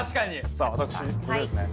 さあ私これですね